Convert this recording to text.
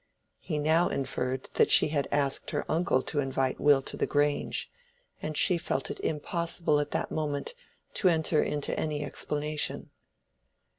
He now inferred that she had asked her uncle to invite Will to the Grange; and she felt it impossible at that moment to enter into any explanation.